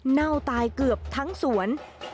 เน่าตายเกือบทั้งสวน